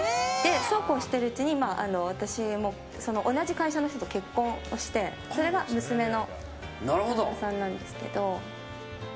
そうこうしているうちに私も同じ会社の人と結婚してそれが娘の父親さんなんですけど。